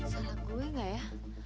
salah gue gak ya